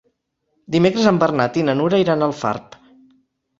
Dimecres en Bernat i na Nura iran a Alfarb.